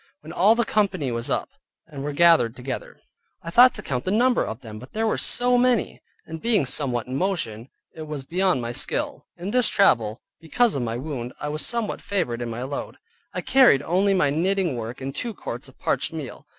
When all the company was come up, and were gathered together, I thought to count the number of them, but they were so many, and being somewhat in motion, it was beyond my skill. In this travel, because of my wound, I was somewhat favored in my load; I carried only my knitting work and two quarts of parched meal.